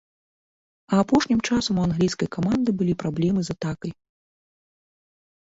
А апошнім часам у англійскай каманды былі праблемы з атакай.